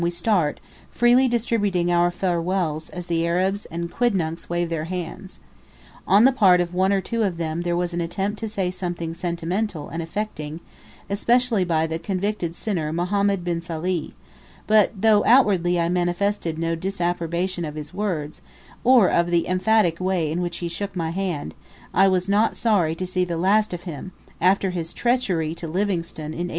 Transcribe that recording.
we start, freely distributing our farewells as the Arabs and quidnuncs wave their hands. On the part of one or two of them there was an attempt to say something sentimental and affecting, especially by the convicted sinner Mohammed bin Sali; but though outwardly I manifested no disapprobation of his words, or of the emphatic way in which he shook my hand, I was not sorry to see the last of him, after his treachery to Livingstone in 1869.